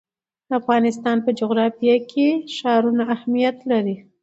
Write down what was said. د افغانستان په جغرافیه کې ښارونه اهمیت لري.